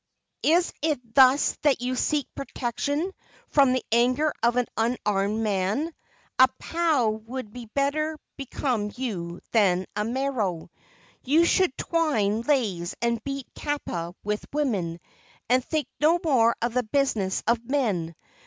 "Is it thus that you seek protection from the anger of an unarmed man? A pau would better become you than a maro. You should twine leis and beat kapa with women, and think no more of the business of men.